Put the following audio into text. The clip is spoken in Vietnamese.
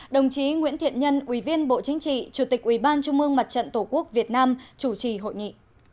đồng chí nguyễn thiện nhân ủy viên bộ chính trị chủ tịch ủy ban trung mương mặt trận tổ quốc việt nam chủ trì hội nghị